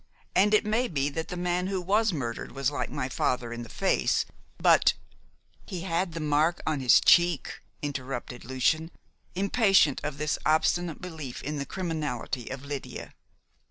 And it may be that the man who was murdered was like my father in the face, but " "He had the mark on his cheek," interrupted Lucian, impatient of this obstinate belief in the criminality of Lydia.